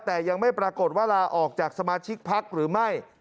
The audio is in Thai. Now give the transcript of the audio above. แต่ยังไม่ปรากฏว่าลาออกจากสมาชิกพักหรือไม่